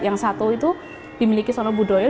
yang satu itu dimiliki sonobudoyo